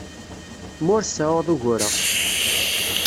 Kemm ur tseɛɛuḍ ugur-a.